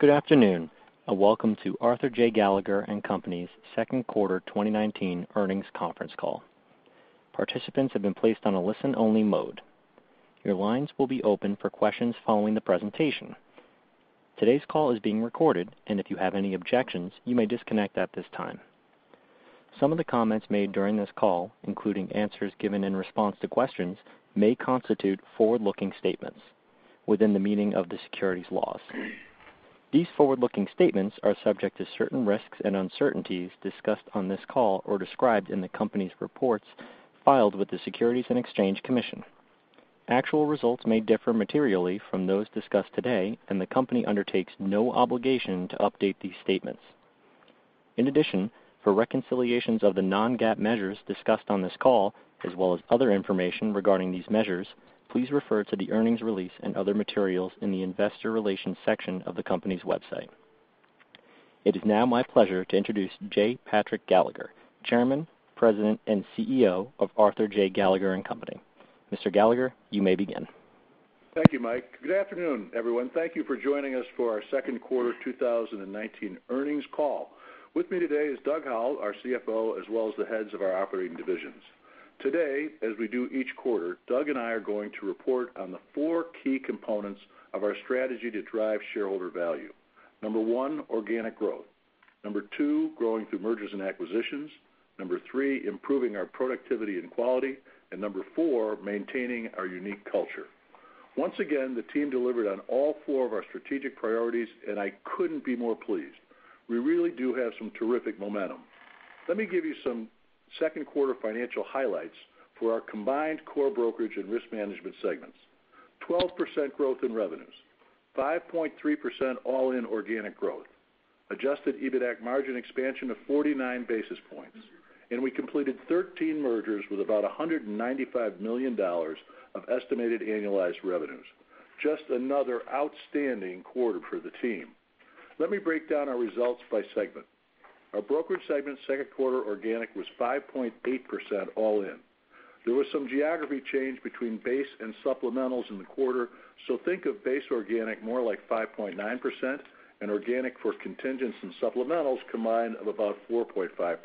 Good afternoon, and welcome to Arthur J. Gallagher & Co.'s second quarter 2019 earnings conference call. Participants have been placed on a listen-only mode. Your lines will be open for questions following the presentation. Today's call is being recorded. If you have any objections, you may disconnect at this time. Some of the comments made during this call, including answers given in response to questions, may constitute forward-looking statements within the meaning of the securities laws. These forward-looking statements are subject to certain risks and uncertainties discussed on this call or described in the company's reports filed with the Securities and Exchange Commission. Actual results may differ materially from those discussed today, and the company undertakes no obligation to update these statements. In addition, for reconciliations of the non-GAAP measures discussed on this call, as well as other information regarding these measures, please refer to the earnings release and other materials in the Investor Relations section of the company's website. It is now my pleasure to introduce J. Patrick Gallagher, Chairman, President, and CEO of Arthur J. Gallagher & Co. Mr. Gallagher, you may begin. Thank you, Mike. Good afternoon, everyone. Thank you for joining us for our second quarter 2019 earnings call. With me today is Doug Howell, our CFO, as well as the heads of our operating divisions. Today, as we do each quarter, Doug and I are going to report on the four key components of our strategy to drive shareholder value. Number one, organic growth. Number two, growing through mergers and acquisitions. Number three, improving our productivity and quality. Number four, maintaining our unique culture. Once again, the team delivered on all four of our strategic priorities, and I couldn't be more pleased. We really do have some terrific momentum. Let me give you some second quarter financial highlights for our combined core brokerage and risk management segments. 12% growth in revenues, 5.3% all-in organic growth, adjusted EBITAC margin expansion of 49 basis points. We completed 13 mergers with about $195 million of estimated annualized revenues. Just another outstanding quarter for the team. Let me break down our results by segment. Our brokerage segment second quarter organic was 5.8% all in. There was some geography change between base and supplementals in the quarter. So think of base organic more like 5.9%, and organic for contingents and supplementals combined of about 4.5%.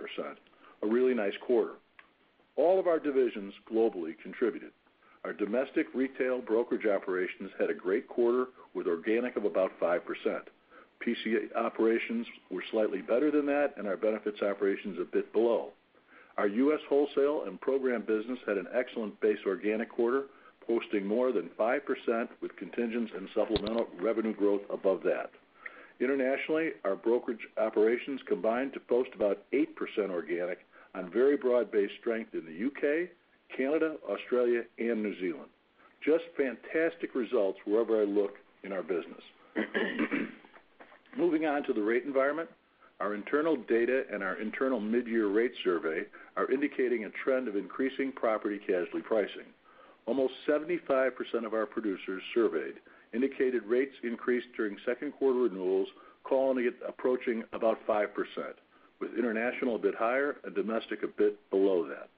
A really nice quarter. All of our divisions globally contributed. Our domestic retail brokerage operations had a great quarter with organic of about 5%. PC&A operations were slightly better than that, and our benefits operations a bit below. Our U.S. wholesale and program business had an excellent base organic quarter, posting more than 5% with contingents and supplemental revenue growth above that. Internationally, our brokerage operations combined to post about 8% organic on very broad-based strength in the U.K., Canada, Australia, and New Zealand. Just fantastic results wherever I look in our business. Moving on to the rate environment. Our internal data and our internal mid-year rate survey are indicating a trend of increasing property casualty pricing. Almost 75% of our producers surveyed indicated rates increased during second quarter renewals, calling it approaching about 5%, with international a bit higher and domestic a bit below that.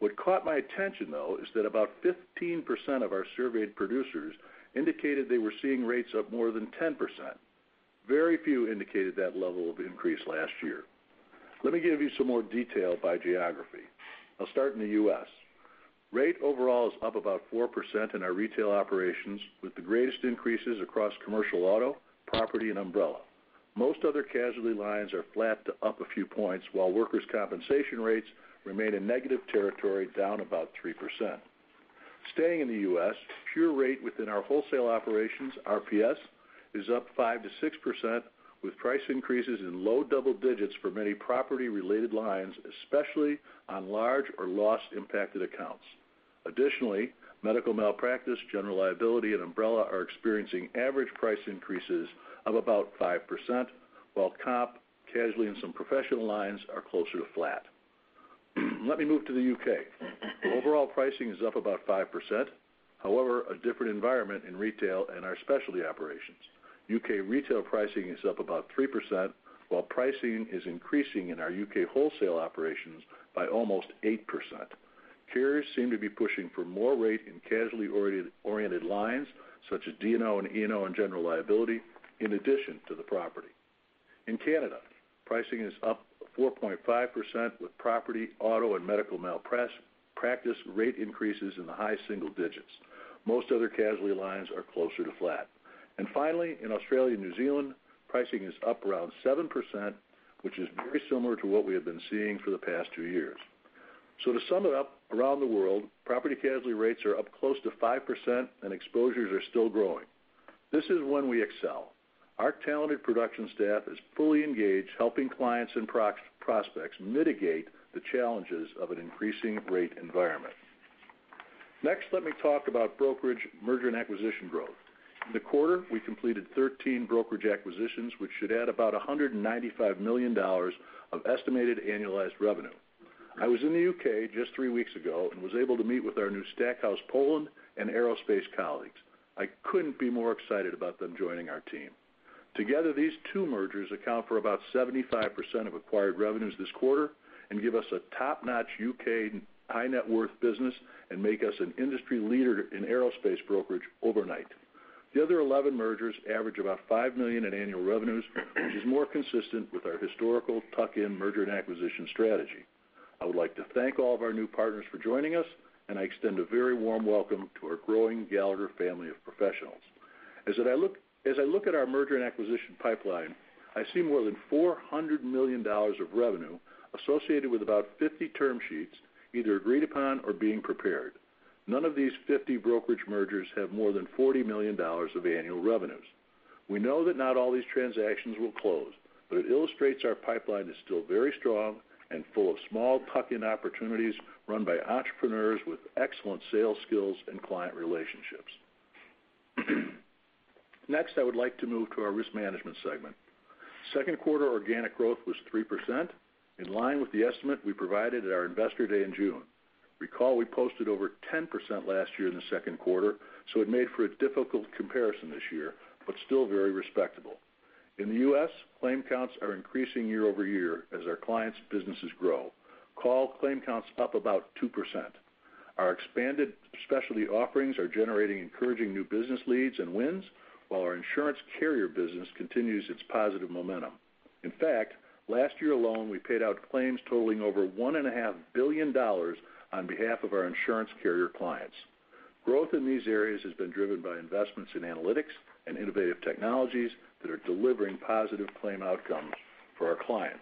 What caught my attention, though, is that about 15% of our surveyed producers indicated they were seeing rates up more than 10%. Very few indicated that level of increase last year. Let me give you some more detail by geography. I'll start in the U.S. Rate overall is up about 4% in our retail operations, with the greatest increases across commercial auto, property, and umbrella. Most other casualty lines are flat to up a few points, while workers' compensation rates remain in negative territory, down about 3%. Staying in the U.S., pure rate within our wholesale operations, RPS, is up 5%-6%, with price increases in low double digits for many property-related lines, especially on large or loss-impacted accounts. Additionally, medical malpractice, general liability, and umbrella are experiencing average price increases of about 5%, while comp, casualty, and some professional lines are closer to flat. Let me move to the U.K. Overall pricing is up about 5%. However, a different environment in retail and our specialty operations. U.K. retail pricing is up about 3%, while pricing is increasing in our U.K. wholesale operations by almost 8%. Carriers seem to be pushing for more rate in casualty-oriented lines, such as D&O and E&O, and general liability, in addition to the property. In Canada, pricing is up 4.5% with property, auto, and medical malpractice rate increases in the high single digits. Most other casualty lines are closer to flat. Finally, in Australia and New Zealand, pricing is up around 7%, which is very similar to what we have been seeing for the past two years. To sum it up, around the world, property casualty rates are up close to 5%, and exposures are still growing. This is when we excel. Our talented production staff is fully engaged, helping clients and prospects mitigate the challenges of an increasing rate environment. Next, let me talk about brokerage merger and acquisition growth. In the quarter, we completed 13 brokerage acquisitions, which should add about $195 million of estimated annualized revenue. I was in the U.K. just three weeks ago and was able to meet with our new Stackhouse Poland and Aerospace colleagues. I couldn't be more excited about them joining our team. Together, these two mergers account for about 75% of acquired revenues this quarter and give us a top-notch U.K. high net worth business and make us an industry leader in Aerospace brokerage overnight. The other 11 mergers average about $5 million in annual revenues, which is more consistent with our historical tuck-in merger and acquisition strategy. I would like to thank all of our new partners for joining us, and I extend a very warm welcome to our growing Gallagher family of professionals. As I look at our merger and acquisition pipeline, I see more than $400 million of revenue associated with about 50 term sheets, either agreed upon or being prepared. None of these 50 brokerage mergers have more than $40 million of annual revenues. We know that not all these transactions will close. It illustrates our pipeline is still very strong and full of small tuck-in opportunities run by entrepreneurs with excellent sales skills and client relationships. Next, I would like to move to our risk management segment. Second quarter organic growth was 3%, in line with the estimate we provided at our investor day in June. Recall, we posted over 10% last year in the second quarter, so it made for a difficult comparison this year, but still very respectable. In the U.S., claim counts are increasing year-over-year as our clients' businesses grow. Call claim counts up about 2%. Our expanded specialty offerings are generating encouraging new business leads and wins, while our insurance carrier business continues its positive momentum. In fact, last year alone, we paid out claims totaling over $1.5 billion on behalf of our insurance carrier clients. Growth in these areas has been driven by investments in analytics and innovative technologies that are delivering positive claim outcomes for our clients.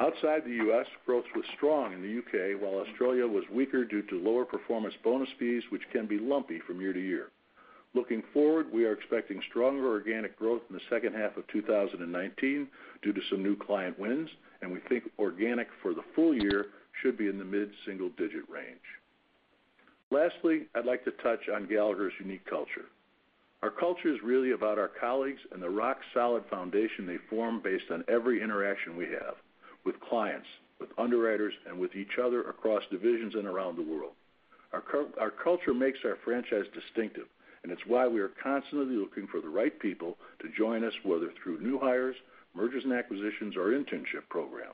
Outside the U.S., growth was strong in the U.K., while Australia was weaker due to lower performance bonus fees, which can be lumpy from year-to-year. Looking forward, we are expecting stronger organic growth in the second half of 2019 due to some new client wins. We think organic for the full year should be in the mid-single-digit range. Lastly, I'd like to touch on Gallagher's unique culture. Our culture is really about our colleagues and the rock-solid foundation they form based on every interaction we have with clients, with underwriters, and with each other across divisions and around the world. Our culture makes our franchise distinctive. It's why we are constantly looking for the right people to join us, whether through new hires, mergers and acquisitions, or our internship program.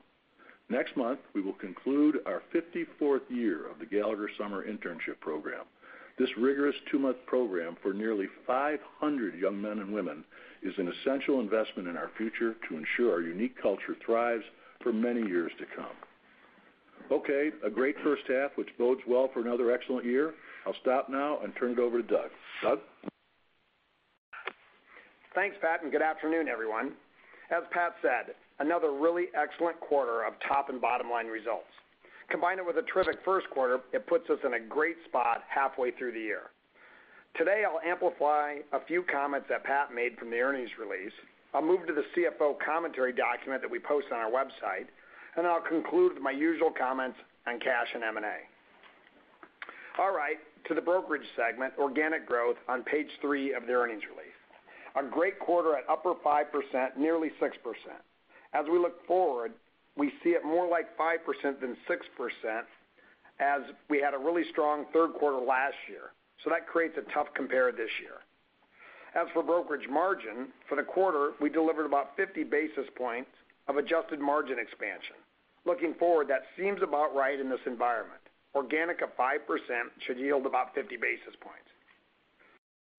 Next month, we will conclude our 54th year of the Gallagher Summer Internship Program. This rigorous two-month program for nearly 500 young men and women is an essential investment in our future to ensure our unique culture thrives for many years to come. Okay. A great first half, which bodes well for another excellent year. I'll stop now and turn it over to Doug. Doug? Thanks, Pat. Good afternoon, everyone. As Pat said, another really excellent quarter of top and bottom-line results. Combine it with a terrific first quarter, it puts us in a great spot halfway through the year. Today, I'll amplify a few comments that Pat made from the earnings release. I'll move to the CFO Commentary document that we post on our website. Then I'll conclude with my usual comments on cash and M&A. All right. To the brokerage segment, organic growth on page three of the earnings release. A great quarter at upper 5%, nearly 6%. We look forward, we see it more like 5% than 6% as we had a really strong third quarter last year. That creates a tough compare this year. As for brokerage margin, for the quarter, we delivered about 50 basis points of adjusted margin expansion. Looking forward, that seems about right in this environment. Organic of 5% should yield about 50 basis points.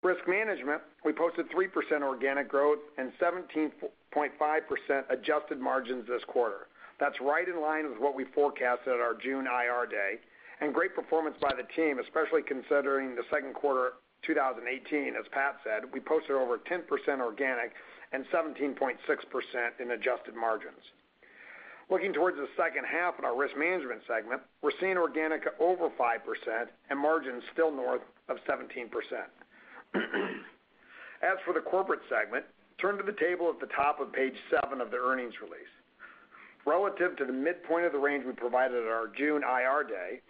Risk management, we posted 3% organic growth and 17.5% adjusted margins this quarter. That's right in line with what we forecasted at our June Investor Relations Day, and great performance by the team, especially considering the second quarter 2018. As Pat said, we posted over 10% organic and 17.6% in adjusted margins. Looking towards the second half in our risk management segment, we're seeing organic over 5% and margins still north of 17%. As for the corporate segment, turn to the table at the top of page seven of the earnings release. Relative to the midpoint of the range we provided at our June Investor Relations Day,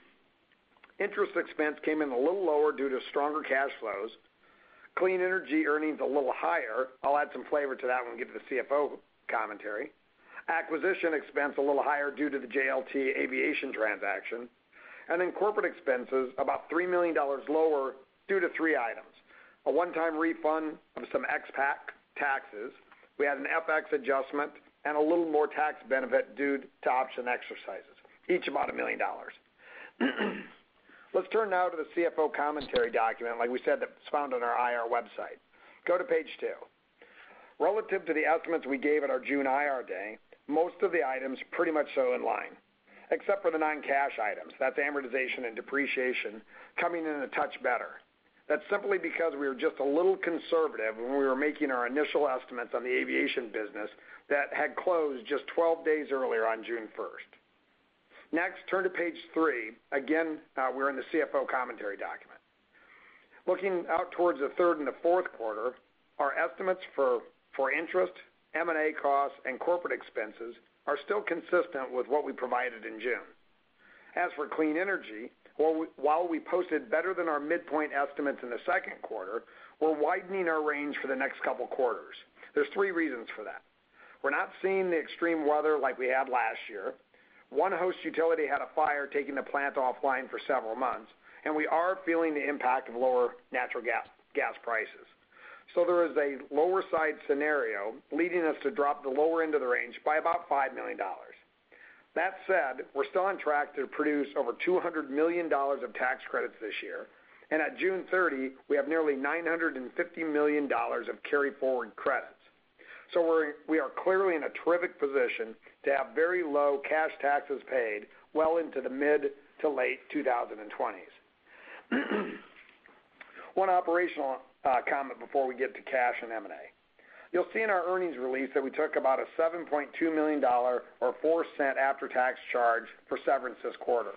interest expense came in a little lower due to stronger cash flows. Clean energy earnings, a little higher. I'll add some flavor to that when we get to the CFO Commentary. Acquisition expense, a little higher due to the JLT Aerospace transaction. Corporate expenses, about $3 million lower due to three items, a one-time refund of some expat taxes, we had an FX adjustment, and a little more tax benefit due to option exercises, each about $1 million. Let's turn now to the CFO Commentary document, like we said, that's found on our investor relations website. Go to page two. Relative to the estimates we gave at our June Investor Relations Day, most of the items pretty much show in line, except for the non-cash items. That's amortization and depreciation coming in a touch better. That's simply because we were just a little conservative when we were making our initial estimates on the aviation business that had closed just 12 days earlier on June 1st. Next, turn to page three. Again, we're in the CFO Commentary document. Looking out towards the third and the fourth quarter, our estimates for interest, M&A costs, and corporate expenses are still consistent with what we provided in June. As for clean energy, while we posted better than our midpoint estimates in the second quarter, we're widening our range for the next couple quarters. There's three reasons for that. We're not seeing the extreme weather like we had last year. One host utility had a fire, taking the plant offline for several months, and we are feeling the impact of lower natural gas prices. There is a lower side scenario leading us to drop the lower end of the range by about $5 million. That said, we're still on track to produce over $200 million of tax credits this year. At June 30, we have nearly $950 million of carry-forward credits. We are clearly in a terrific position to have very low cash taxes paid well into the mid to late 2020s. One operational comment before we get to cash and M&A. You'll see in our earnings release that we took about a $7.2 million or $0.04 after-tax charge for severance this quarter.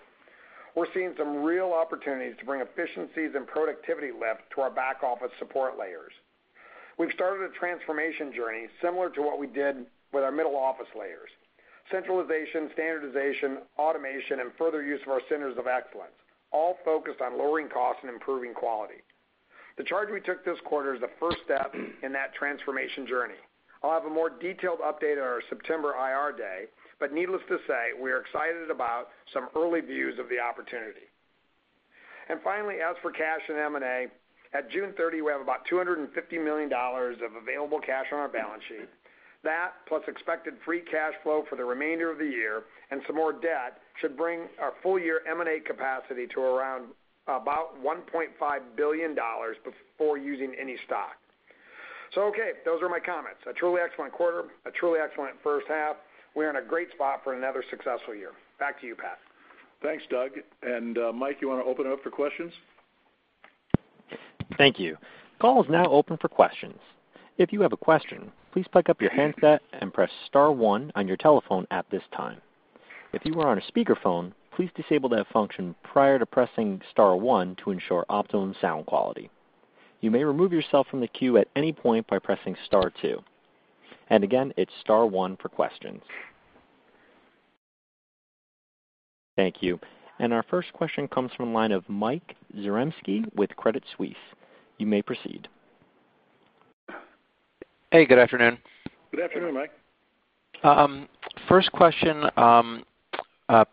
We're seeing some real opportunities to bring efficiencies and productivity lift to our back office support layers. We've started a transformation journey similar to what we did with our middle office layers. Centralization, standardization, automation, and further use of our centers of excellence, all focused on lowering costs and improving quality. The charge we took this quarter is the first step in that transformation journey. I'll have a more detailed update at our September IR Day, needless to say, we are excited about some early views of the opportunity. Finally, as for cash and M&A, at June 30, we have about $250 million of available cash on our balance sheet. That, plus expected free cash flow for the remainder of the year and some more debt, should bring our full year M&A capacity to around about $1.5 billion before using any stock. Okay, those are my comments. A truly excellent quarter, a truly excellent first half. We're in a great spot for another successful year. Back to you, Pat. Thanks, Doug. Mike, you want to open it up for questions? Thank you. Call is now open for questions. If you have a question, please pick up your handset and press star one on your telephone at this time. If you are on a speakerphone, please disable that function prior to pressing star one to ensure optimum sound quality. You may remove yourself from the queue at any point by pressing star two. Again, it's star one for questions. Thank you. Our first question comes from the line of Mike Zaremski with Credit Suisse. You may proceed. Hey, good afternoon. Good afternoon, Mike. First question,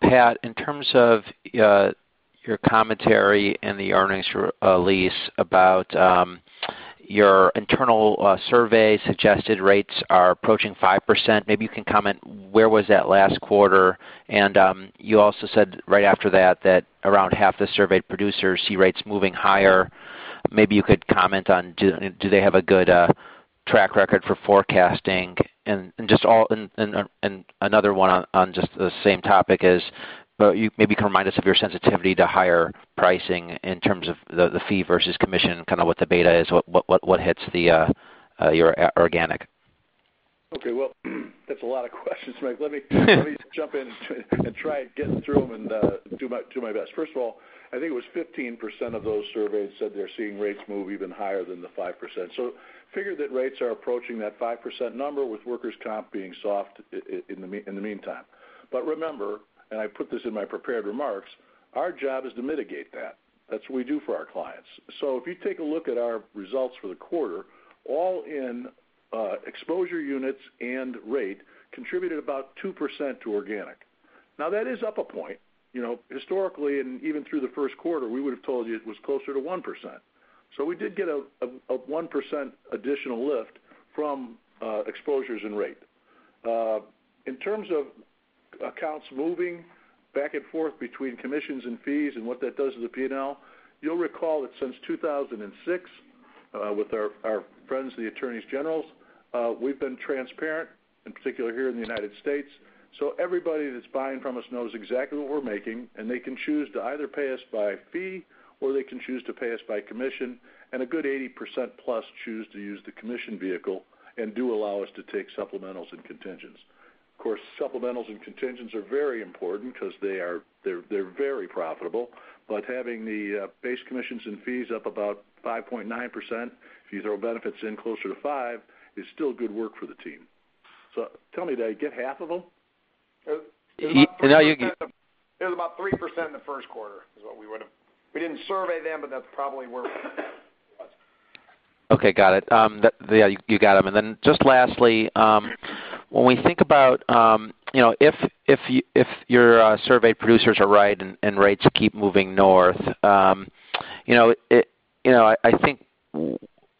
Pat, in terms of your commentary and the earnings release about your internal survey suggested rates are approaching 5%, maybe you can comment where was that last quarter? You also said right after that around half the surveyed producers see rates moving higher. Maybe you could comment on do they have a good track record for forecasting? Another one on just the same topic is maybe you can remind us of your sensitivity to higher pricing in terms of the fee versus commission, kind of what the beta is, what hits your organic. Well, that's a lot of questions, Mike. Let me jump in and try and get through them and do my best. First of all, I think it was 15% of those surveyed said they're seeing rates move even higher than the 5%. Figure that rates are approaching that 5% number with workers' comp being soft in the meantime. Remember, and I put this in my prepared remarks, our job is to mitigate that. That's what we do for our clients. If you take a look at our results for the quarter, all in exposure units and rate contributed about 2% to organic. That is up a point. Historically, and even through the first quarter, we would have told you it was closer to 1%. We did get a 1% additional lift from exposures and rate. In terms of accounts moving back and forth between commissions and fees and what that does to the P&L, you'll recall that since 2006, with our friends, the attorneys generals, we've been transparent, in particular here in the United States. Everybody that's buying from us knows exactly what we're making, and they can choose to either pay us by fee or they can choose to pay us by commission, and a good 80% plus choose to use the commission vehicle and do allow us to take supplementals and contingents. Of course, supplementals and contingents are very important because they're very profitable, having the base commissions and fees up about 5.9%, if you throw benefits in closer to 5%, is still good work for the team. Tell me, did I get half of them? It was about 3% in the first quarter is what we didn't survey them, but that's probably where it was. Okay, got it. Yeah, you got them. Just lastly, when we think about if your survey producers are right and rates keep moving north, I think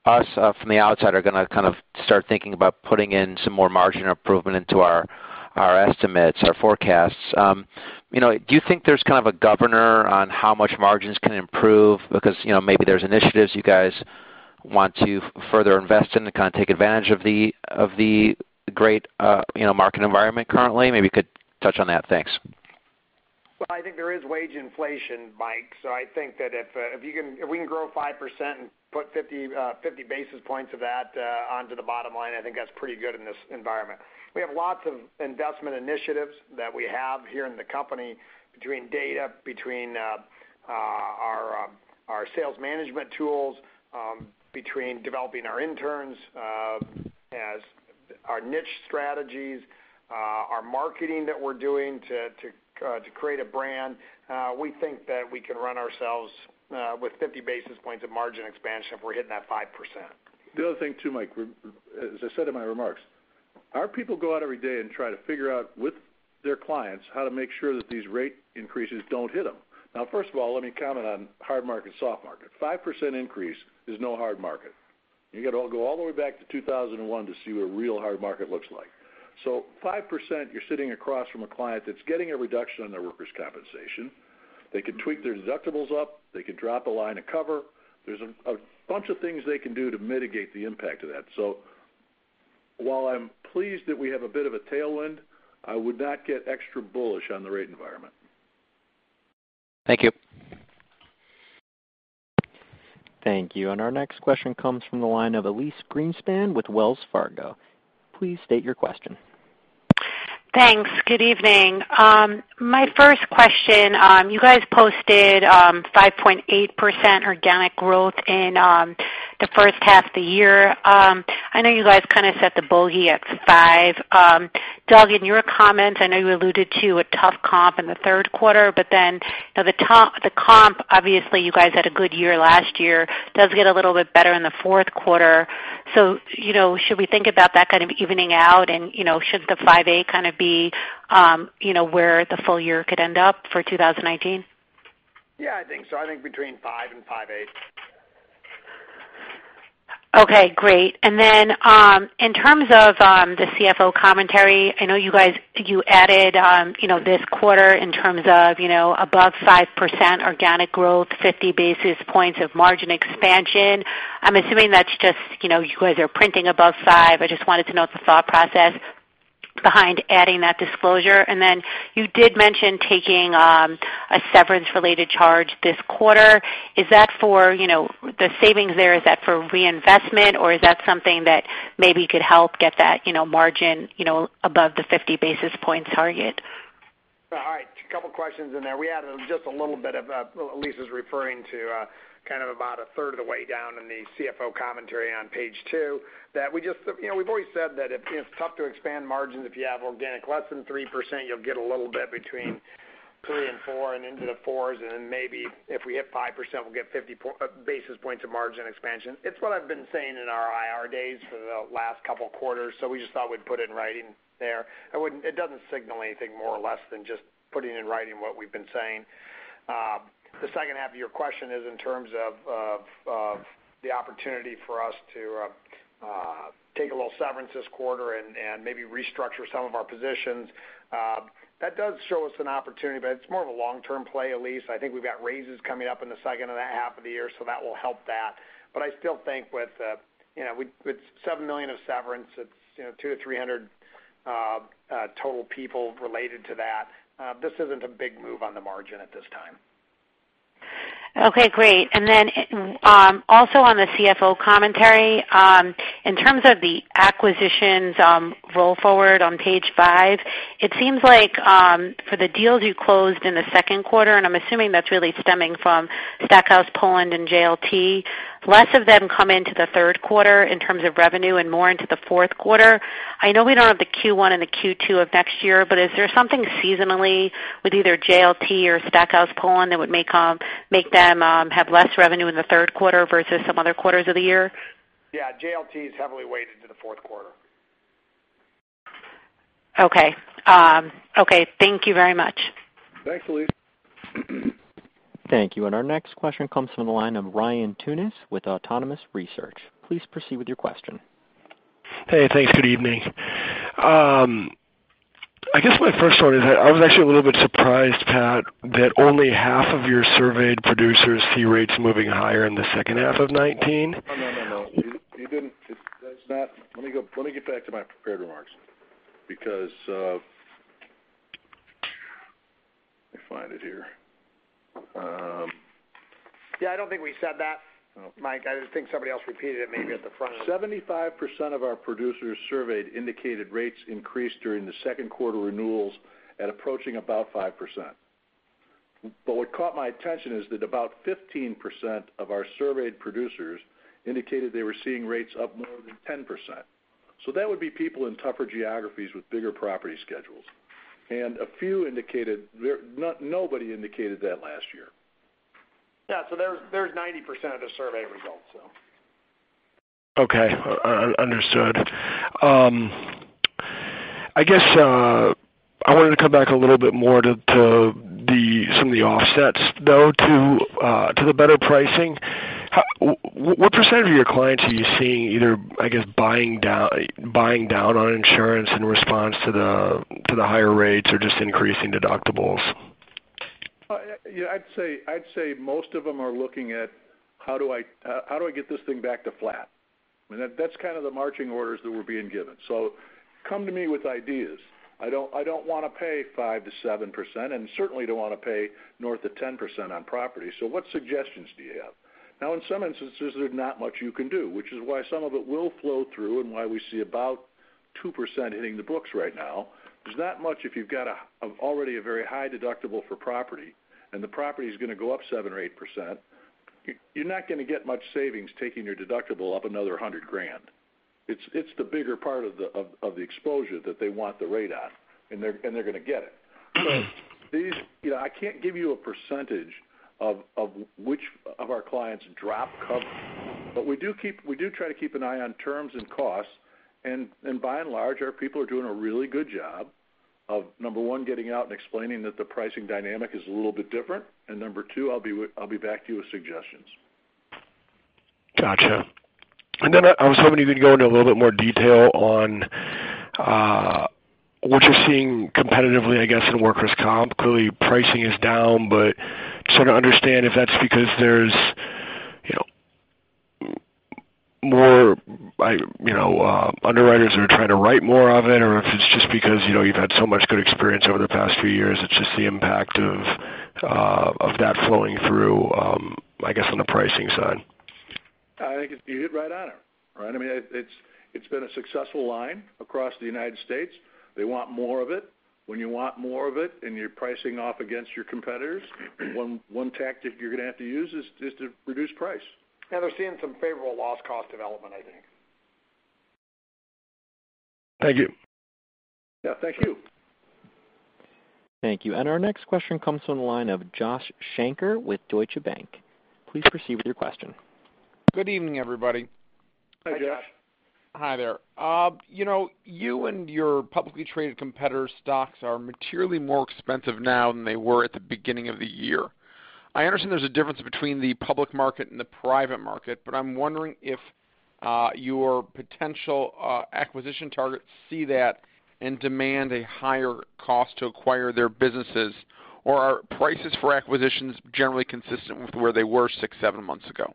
us from the outside are going to kind of start thinking about putting in some more margin improvement into our estimates, our forecasts. Do you think there's kind of a governor on how much margins can improve? Because maybe there's initiatives you guys want to further invest in to kind of take advantage of the great market environment currently. Maybe you could touch on that. Thanks. I think there is wage inflation, Mike. I think that if we can grow 5% and put 50 basis points of that onto the bottom line, I think that's pretty good in this environment. We have lots of investment initiatives that we have here in the company between data, between our sales management tools, between developing our interns as our niche strategies, our marketing that we're doing to create a brand. We think that we can run ourselves with 50 basis points of margin expansion if we're hitting that 5%. The other thing too, Mike, as I said in my remarks, our people go out every day and try to figure out with their clients how to make sure that these rate increases don't hit them. First of all, let me comment on hard market, soft market. 5% increase is no hard market. You got to go all the way back to 2001 to see what a real hard market looks like. 5%, you're sitting across from a client that's getting a reduction on their workers' compensation. They can tweak their deductibles up. They can drop a line of cover. There's a bunch of things they can do to mitigate the impact of that. While I'm pleased that we have a bit of a tailwind, I would not get extra bullish on the rate environment. Thank you. Thank you. Our next question comes from the line of Elyse Greenspan with Wells Fargo. Please state your question. Thanks. Good evening. My first question, you guys posted 5.8% organic growth in the first half of the year. I know you guys kind of set the bogey at five. Doug, in your comments, I know you alluded to a tough comp in the third quarter, the comp, obviously, you guys had a good year last year, does get a little bit better in the fourth quarter. Should we think about that kind of evening out and should the 5.8 kind of be where the full year could end up for 2019? Yeah, I think so. I think between five and 5.8. Okay, great. In terms of the CFO Commentary, I know you guys, you added this quarter in terms of above 5% organic growth, 50 basis points of margin expansion. I'm assuming that's just, you guys are printing above 5. I just wanted to know the thought process behind adding that disclosure. You did mention taking a severance-related charge this quarter. Is that for the savings there, is that for reinvestment or is that something that maybe could help get that margin above the 50 basis point target? All right. A couple of questions in there. We added just a little bit of, Elyse is referring to kind of about a third of the way down in the CFO Commentary on page two, that we've always said that it's tough to expand margins if you have organic less than 3%, you'll get a little bit between three and four and into the fours. Maybe if we hit 5%, we'll get 50 basis points of margin expansion. It's what I've been saying in our IR days for the last couple of quarters. We just thought we'd put it in writing there. It doesn't signal anything more or less than just putting in writing what we've been saying. The second half of your question is in terms of the opportunity for us to take a little severance this quarter and maybe restructure some of our positions. That does show us an opportunity, but it's more of a long-term play, Elyse. I think we've got raises coming up in the second and a half of the year, that will help that. I still think with $7 million of severance, it's 200 to 300 total people related to that. This isn't a big move on the margin at this time. Okay, great. Also on the CFO Commentary, in terms of the acquisitions roll forward on page five, it seems like for the deals you closed in the second quarter, and I'm assuming that's really stemming from Stackhouse Poland and JLT, less of them come into the third quarter in terms of revenue and more into the fourth quarter. I know we don't have the Q1 and the Q2 of next year, but is there something seasonally with either JLT or Stackhouse Poland that would make them have less revenue in the third quarter versus some other quarters of the year? Yeah, JLT is heavily weighted to the fourth quarter. Okay. Thank you very much. Thanks, Elyse. Thank you. Our next question comes from the line of Ryan Tunis with Autonomous Research. Please proceed with your question. Hey, thanks. Good evening. I guess my first one is I was actually a little bit surprised, Pat, that only half of your surveyed producers see rates moving higher in the second half of 2019. No. Let me get back to my prepared remarks. Let me find it here. Yeah, I don't think we said that, Mike. I just think somebody else repeated it maybe at the front. 75% of our producers surveyed indicated rates increased during the second quarter renewals at approaching about 5%. What caught my attention is that about 15% of our surveyed producers indicated they were seeing rates up more than 10%. That would be people in tougher geographies with bigger property schedules. Nobody indicated that last year. Yeah. There's 90% of the survey results. Okay. Understood. I guess I wanted to come back a little bit more to some of the offsets, though, to the better pricing. What percentage of your clients are you seeing either, I guess, buying down on insurance in response to the higher rates or just increasing deductibles? I'd say most of them are looking at how do I get this thing back to flat? That's kind of the marching orders that we're being given. Come to me with ideas. I don't want to pay 5%-7%, and certainly don't want to pay north of 10% on property. What suggestions do you have? In some instances, there's not much you can do, which is why some of it will flow through and why we see about 2% hitting the books right now. There's not much if you've got already a very high deductible for property, and the property is going to go up 7% or 8%, you're not going to get much savings taking your deductible up another $100,000. It's the bigger part of the exposure that they want the rate at, and they're going to get it. I can't give you a percentage of which of our clients drop cover, but we do try to keep an eye on terms and costs, and by and large, our people are doing a really good job of number one, getting out and explaining that the pricing dynamic is a little bit different. Number two, I'll be back to you with suggestions. Got you. I was hoping you could go into a little bit more detail on what you're seeing competitively, I guess, in workers' comp. Clearly pricing is down, just trying to understand if that's because there's more underwriters who are trying to write more of it, or if it's just because you've had so much good experience over the past few years, it's just the impact of that flowing through, I guess, on the pricing side. I think you hit right on it. It's been a successful line across the United States. They want more of it. When you want more of it and you're pricing off against your competitors, one tactic you're going to have to use is to reduce price. Yeah, they're seeing some favorable loss cost development, I think. Thank you. Yeah, thank you. Thank you. Our next question comes from the line of Josh Shanker with Deutsche Bank. Please proceed with your question. Good evening, everybody. Hi, Josh. Hi, Josh. Hi there. You and your publicly traded competitors' stocks are materially more expensive now than they were at the beginning of the year. I understand there's a difference between the public market and the private market, I'm wondering if your potential acquisition targets see that and demand a higher cost to acquire their businesses, or are prices for acquisitions generally consistent with where they were six, seven months ago?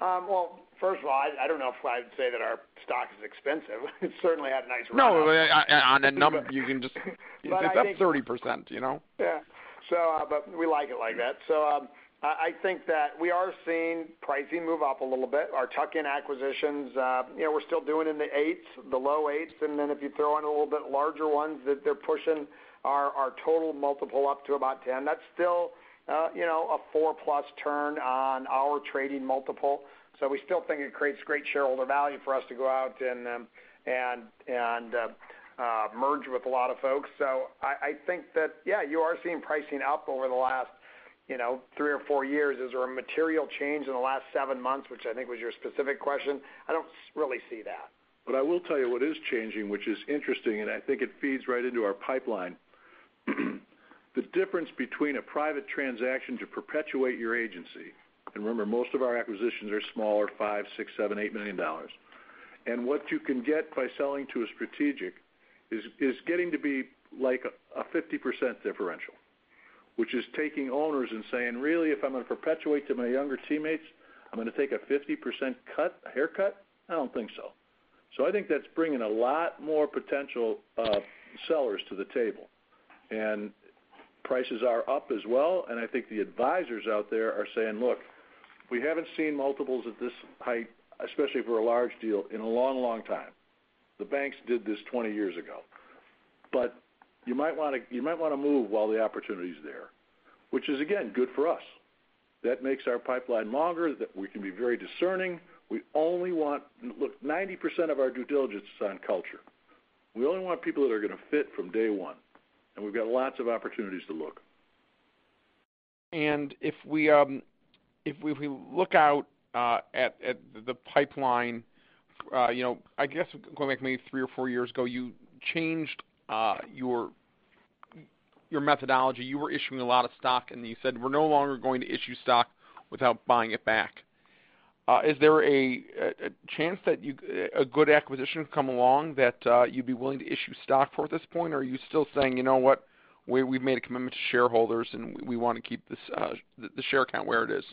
Well, first of all, I don't know if I would say that our stock is expensive. We certainly had a nice run up. No, on a number, you can it's up 30%, you know? Yeah. We like it like that. I think that we are seeing pricing move up a little bit. Our tuck-in acquisitions, we are still doing in the 8s, the low 8s, and then if you throw in a little bit larger ones that they are pushing our total multiple up to about 10. That is still a 4+ turn on our trading multiple. We still think it creates great shareholder value for us to go out and merge with a lot of folks. I think that, yeah, you are seeing pricing up over the last three or four years. Is there a material change in the last seven months, which I think was your specific question? I don't really see that. I will tell you what is changing, which is interesting, and I think it feeds right into our pipeline. The difference between a private transaction to perpetuate your agency, and remember, most of our acquisitions are smaller, $5 million, $6 million, $7 million, $8 million. What you can get by selling to a strategic is getting to be like a 50% differential, which is taking owners and saying, really, if I'm going to perpetuate to my younger teammates, I'm going to take a 50% cut, a haircut? I don't think so. I think that's bringing a lot more potential sellers to the table, and prices are up as well. I think the advisors out there are saying, "Look, we haven't seen multiples at this height, especially for a large deal in a long, long time." The banks did this 20 years ago. You might want to move while the opportunity's there, which is again, good for us. That makes our pipeline longer, that we can be very discerning. Look, 90% of our due diligence is on culture. We only want people that are going to fit from day one, and we've got lots of opportunities to look. If we look out at the pipeline, I guess going back maybe three or four years ago, you changed your methodology. You were issuing a lot of stock and you said, "We're no longer going to issue stock without buying it back." Is there a chance that a good acquisition come along that you'd be willing to issue stock for at this point? Are you still saying, you know what? We've made a commitment to shareholders and we want to keep the share count where it is.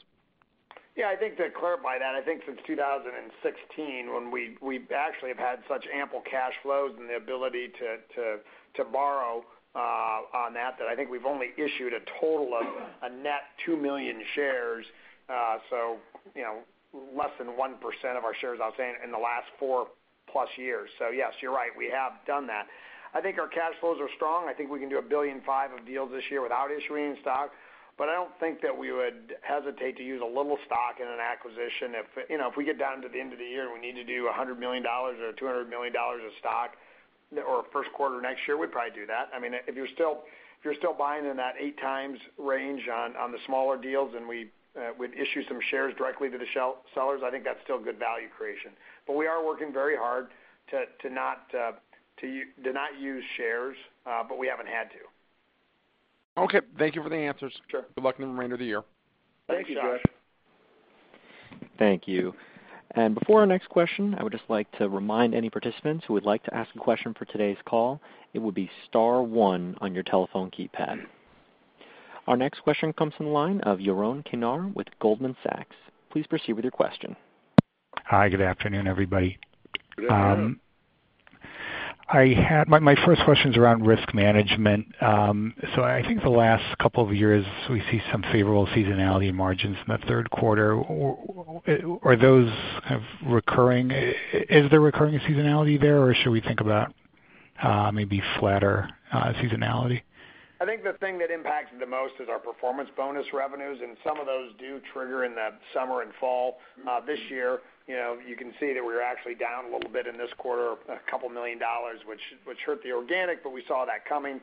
I think to clarify that, since 2016, when we actually have had such ample cash flows and the ability to borrow on that, I think we've only issued a total of a net 2 million shares. Less than 1% of our shares, I was saying, in the last 4+ years. Yes, you're right, we have done that. I think our cash flows are strong. I think we can do $1.5 billion of deals this year without issuing stock. I don't think that we would hesitate to use a little stock in an acquisition if we get down to the end of the year and we need to do $100 million or $200 million of stock or first quarter next year, we'd probably do that. If you're still buying in that 8x range on the smaller deals and we'd issue some shares directly to the sellers, I think that's still good value creation. We are working very hard to not use shares, but we haven't had to. Okay. Thank you for the answers. Sure. Good luck in the remainder of the year. Thank you, Josh. Thank you, Josh. Thank you. Before our next question, I would just like to remind any participants who would like to ask a question for today's call, it would be star one on your telephone keypad. Our next question comes from the line of Yaron Kinar with Goldman Sachs. Please proceed with your question. Hi, good afternoon, everybody. Good afternoon. My first question's around risk management. I think the last couple of years, we see some favorable seasonality in margins in the third quarter. Are those kind of recurring? Is there recurring seasonality there, or should we think about maybe flatter seasonality? I think the thing that impacts it the most is our performance bonus revenues, some of those do trigger in the summer and fall. This year, you can see that we were actually down a little bit in this quarter, $2 million, which hurt the organic, we saw that coming.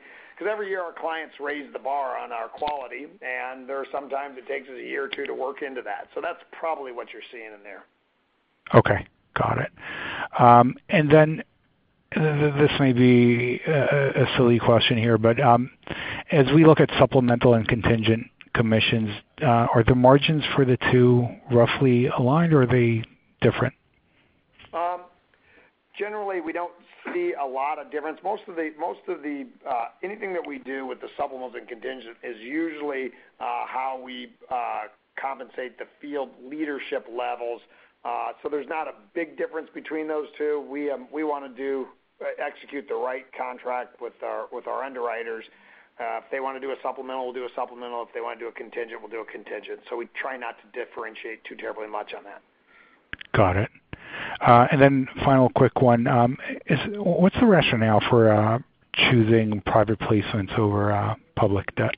Every year our clients raise the bar on our quality, and there are some times it takes us a year or two to work into that. That's probably what you're seeing in there. Okay. Got it. Then this may be a silly question here, as we look at supplemental and contingent commissions, are the margins for the two roughly aligned or are they different? Generally, we don't see a lot of difference. Anything that we do with the supplementals and contingent is usually how we compensate the field leadership levels. There's not a big difference between those two. We want to execute the right contract with our underwriters. If they want to do a supplemental, we'll do a supplemental. If they want to do a contingent, we'll do a contingent. We try not to differentiate too terribly much on that. Got it. Final quick one. What's the rationale for choosing private placements over public debt?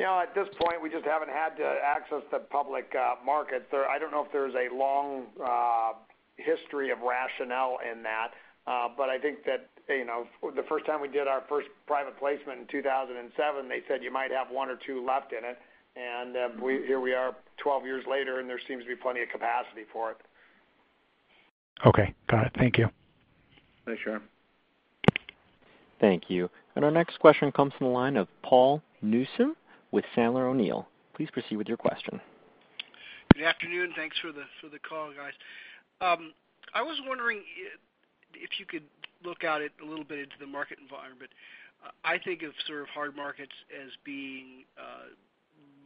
At this point, we just haven't had to access the public markets. I don't know if there's a long history of rationale in that. I think that, the first time we did our first private placement in 2007, they said you might have one or two left in it, and here we are 12 years later and there seems to be plenty of capacity for it. Okay. Got it. Thank you. Thanks, Sean. Thank you. Our next question comes from the line of Paul Newsome with Sandler O'Neill. Please proceed with your question. Good afternoon. Thanks for the call, guys. I was wondering if you could look at it a little bit into the market environment. I think of sort of hard markets as being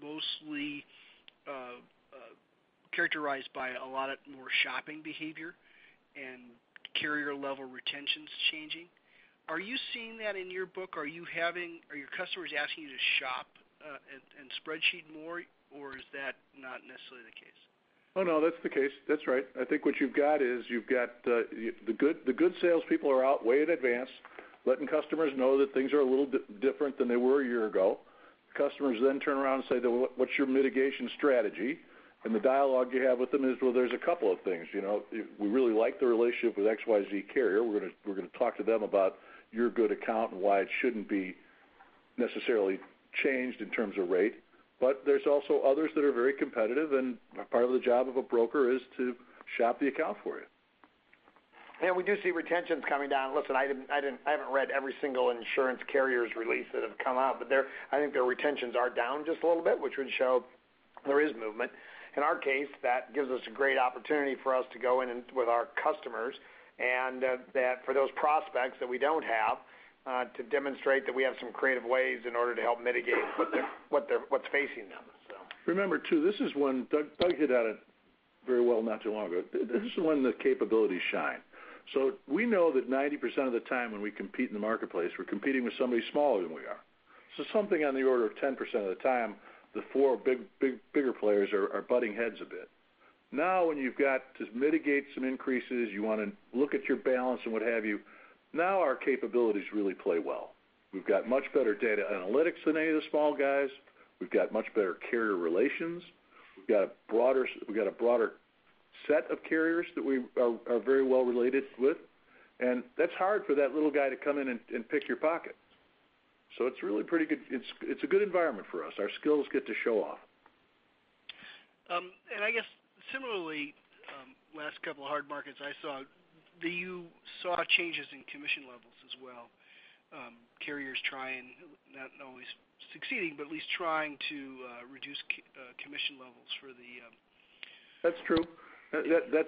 mostly characterized by a lot more shopping behavior and carrier level retentions changing. Are you seeing that in your book? Are your customers asking you to shop and spreadsheet more, or is that not necessarily the case? Oh, no, that's the case. That's right. I think what you've got is you've got the good salespeople are out way in advance letting customers know that things are a little bit different than they were a year ago. Customers then turn around and say, "What's your mitigation strategy?" The dialogue you have with them is, well, there's a couple of things. We really like the relationship with XYZ carrier. We're going to talk to them about your good account and why it shouldn't be necessarily changed in terms of rate. There's also others that are very competitive, and part of the job of a broker is to shop the account for you. We do see retentions coming down. Listen, I haven't read every single insurance carrier's release that have come out, but I think their retentions are down just a little bit, which would show there is movement. In our case, that gives us a great opportunity for us to go in with our customers, and that for those prospects that we don't have, to demonstrate that we have some creative ways in order to help mitigate what's facing them. Remember, too, this is when Doug hit at it very well not too long ago. This is when the capabilities shine. We know that 90% of the time when we compete in the marketplace, we're competing with somebody smaller than we are. Something on the order of 10% of the time, the four bigger players are butting heads a bit. Now, when you've got to mitigate some increases, you want to look at your balance and what have you, now our capabilities really play well. We've got much better data analytics than any of the small guys. We've got much better carrier relations. We've got a broader set of carriers that we are very well related with, and that's hard for that little guy to come in and pick your pocket. It's a good environment for us. Our skills get to show off. I guess similarly, last couple of hard markets I saw, that you saw changes in commission levels as well. Carriers trying, not always succeeding, but at least trying to reduce commission levels for the- That's true. That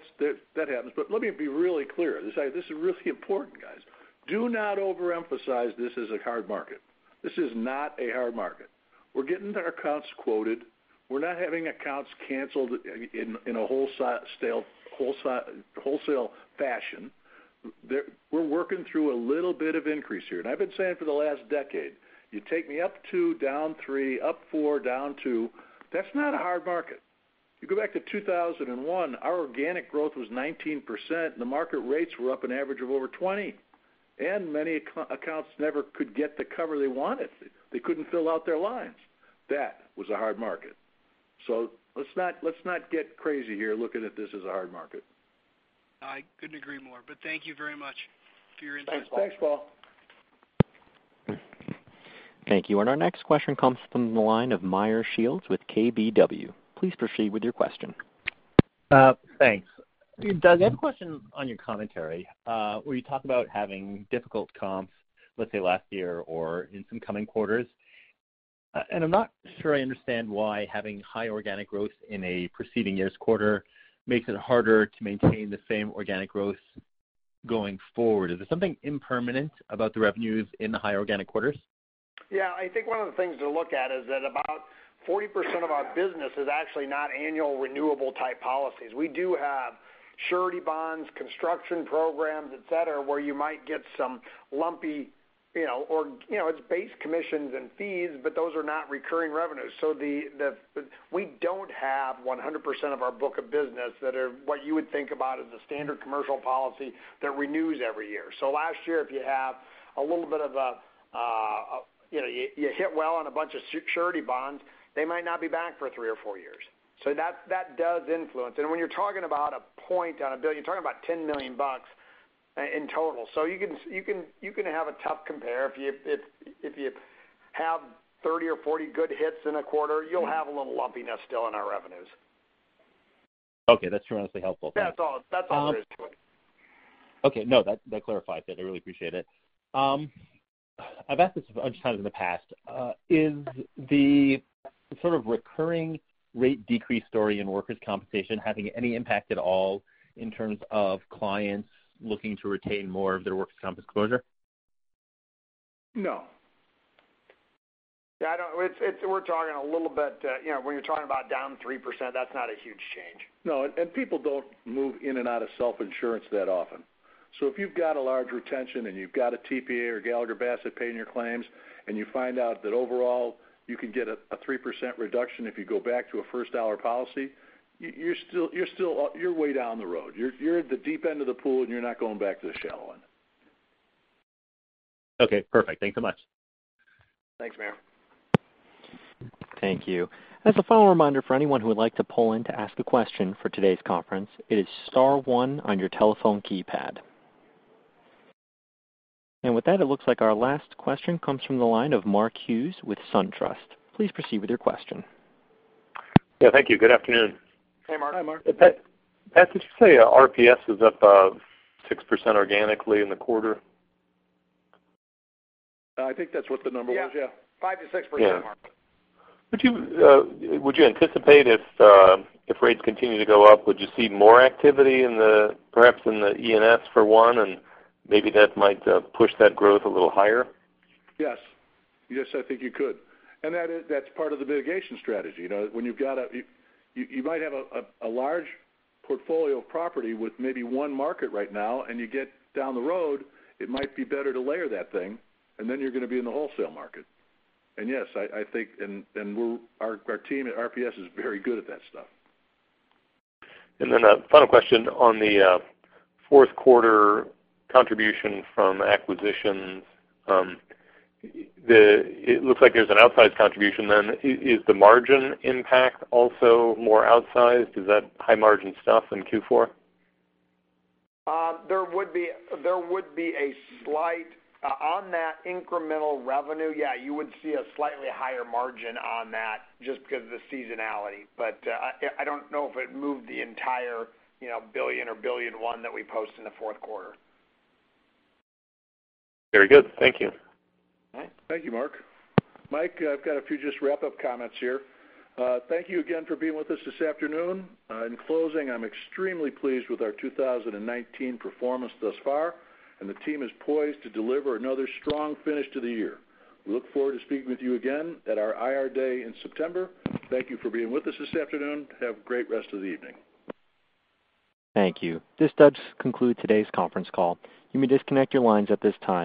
happens. Let me be really clear. This is really important, guys. Do not overemphasize this as a hard market. This is not a hard market. We're getting our accounts quoted. We're not having accounts canceled in a wholesale fashion. We're working through a little bit of increase here, and I've been saying for the last decade, you take me up two, down three, up four, down two, that's not a hard market. You go back to 2001, our organic growth was 19%, and the market rates were up an average of over 20. Many accounts never could get the cover they wanted. They couldn't fill out their lines. That was a hard market. Let's not get crazy here looking at this as a hard market. I couldn't agree more, thank you very much for your insights. Thanks, Paul. Thank you. Our next question comes from the line of Meyer Shields with KBW. Please proceed with your question. Thanks. Doug, I have a question on your commentary where you talk about having difficult comps, let's say last year or in some coming quarters. I'm not sure I understand why having high organic growth in a preceding year's quarter makes it harder to maintain the same organic growth going forward. Is there something impermanent about the revenues in the high organic quarters? Yeah. I think one of the things to look at is that about 40% of our business is actually not annual renewable type policies. We do have surety bonds, construction programs, et cetera, where you might get some lumpy, or it's base commissions and fees, but those are not recurring revenues. We don't have 100% of our book of business that are what you would think about as a standard commercial policy that renews every year. Last year, if you have a little bit. You hit well on a bunch of surety bonds, they might not be back for three or four years. That does influence. When you're talking about a point on a $1 billion, you're talking about $10 million in total. You can have a tough compare if you have 30 or 40 good hits in a quarter, you'll have a little lumpiness still in our revenues. Okay, that's tremendously helpful. That's all there is to it. Okay. No, that clarifies it. I really appreciate it. I've asked this a bunch of times in the past. Is the sort of recurring rate decrease story in workers' compensation having any impact at all in terms of clients looking to retain more of their workers' comp exposure? No. We're talking a little bit, when you're talking about down 3%, that's not a huge change. No, people don't move in and out of self-insurance that often. If you've got a large retention and you've got a TPA or Gallagher Bassett paying your claims, and you find out that overall, you can get a 3% reduction if you go back to a first-dollar policy, you're way down the road. You're at the deep end of the pool, and you're not going back to the shallow end. Okay, perfect. Thanks so much. Thanks, Meyer. Thank you. As a final reminder for anyone who would like to pull in to ask a question for today's conference, it is star one on your telephone keypad. With that, it looks like our last question comes from the line of Mark Hughes with SunTrust. Please proceed with your question. Yeah, thank you. Good afternoon. Hey, Mark. Hi, Mark. Pat, did you say RPS is up 6% organically in the quarter? I think that's what the number was, yeah. Yeah, 5%-6%, Mark. Yeah. Would you anticipate if rates continue to go up, would you see more activity perhaps in the E&S for one, and maybe that might push that growth a little higher? Yes. Yes, I think you could. That's part of the mitigation strategy. You might have a large portfolio of property with maybe one market right now, and you get down the road, it might be better to layer that thing, and then you're going to be in the wholesale market. Yes, our team at RPS is very good at that stuff. A final question on the fourth quarter contribution from acquisitions. It looks like there's an outsized contribution then. Is the margin impact also more outsized? Is that high-margin stuff in Q4? There would be a slight. On that incremental revenue, yeah, you would see a slightly higher margin on that just because of the seasonality. I don't know if it moved the entire billion or billion one that we post in the fourth quarter. Very good. Thank you. Thank you, Mark. Mike, I've got a few just wrap-up comments here. Thank you again for being with us this afternoon. In closing, I'm extremely pleased with our 2019 performance thus far, and the team is poised to deliver another strong finish to the year. We look forward to speaking with you again at our IR day in September. Thank you for being with us this afternoon. Have a great rest of the evening. Thank you. This does conclude today's conference call. You may disconnect your lines at this time.